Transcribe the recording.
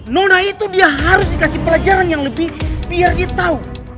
nona itu dia harus dikasih pelajaran yang lebih biar dia tahu